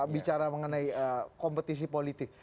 bicara mengenai kompetisi politik